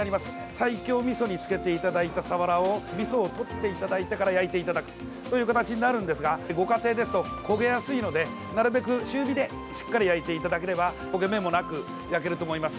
西京みそに漬けていただいたサワラをみそをとっていただいてから焼いていただく形になるんですがご家庭ですと、焦げやすいのでなるべく中火でしっかり焼いていただければ焦げ目もなく焼けると思います。